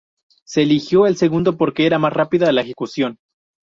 Se eligió el segundo porque era más rápida la ejecución.